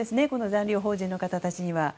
残留邦人の方たちには。